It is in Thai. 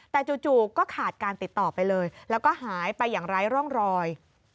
แต่จู่ก็ขาดการติดต่อไปเลยแล้วก็หายไปอย่างไร้ร่องรอย